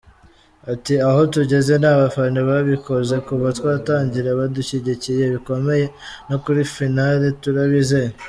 Ati “…aho tugeze ni abafana babikoze, kuva twatangira badushyigikiye bikomeye, no kuri finale turabizeye.